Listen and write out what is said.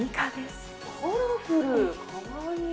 カラフル、かわいい。